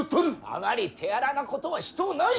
あまり手荒なことはしとうない。